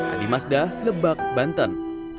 adi mazda lebak banten